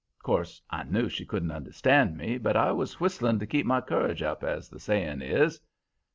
"'Course I knew she couldn't understand me, but I was whistling to keep my courage up, as the saying is.